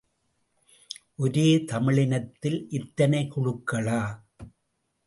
ஒரே தமிழினத்தில் இத்தனைக் குழுக்களா?